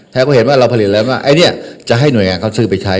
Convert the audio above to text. เขาก็เห็นว่าเราผลิตแล้วว่าไอ้เนี่ยจะให้หน่วยงานเขาซื้อไปใช้